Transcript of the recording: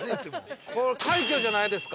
快挙じゃないですか。